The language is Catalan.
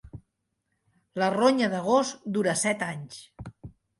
La ronya de gos dura set anys.